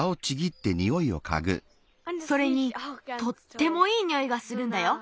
それにとってもいいにおいがするんだよ。